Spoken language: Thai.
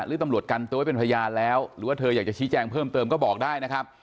หรือตำรวจกันตัวไว้เป็นพยานแล้วหรือว่าเธออยากจะชี้แจงเพิ่มเติมก็บอกได้นะครับ